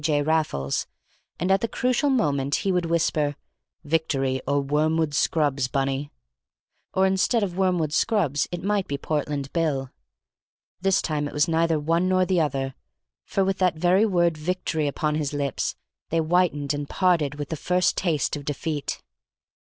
J. Raffles, and at the crucial moment he would whisper "Victory or Wormwood Scrubbs, Bunny!" or instead of Wormwood Scrubbs it might be Portland Bill. This time it was neither one nor the other, for with that very word "victory" upon his lips, they whitened and parted with the first taste of defeat.